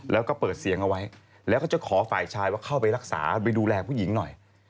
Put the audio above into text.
แล้วก็เปิดเสียงเอาไว้แล้วก็จะขอฝ่ายชายว่าเข้าไปรักษาไปดูแลผู้หญิงหน่อย